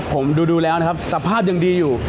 ผมดูแล้วนะครับสภาพยังดีอยู่